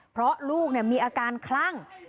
เพราะลูกมีอาการคลั่ง